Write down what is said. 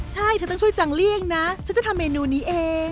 ใช่เธอต้องช่วยจังเลี่ยงนะฉันจะทำเมนูนี้เอง